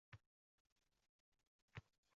Oq podsho taxti xo‘jasiz qoladi!